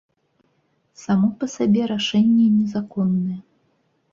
Само па сабе рашэнне незаконнае.